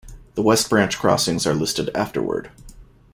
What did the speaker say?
The West Branch crossings are listed afterward.